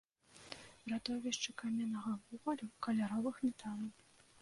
Радовішчы каменнага вугалю, каляровых металаў.